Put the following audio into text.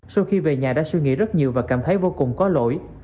sau khi về nhà đã suy nghĩ rất nhiều và cảm thấy vô cùng có lỗi